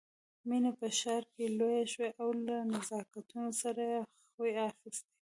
مينه په ښار کې لويه شوې او له نزاکتونو سره يې خوی اخيستی